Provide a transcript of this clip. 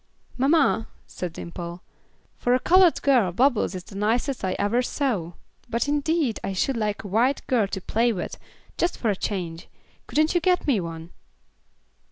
"Mamma," said Dimple, "for a colored girl, Bubbles is the nicest I ever saw; but indeed, I should like a white girl to play with, just for a change. Couldn't you get me one?"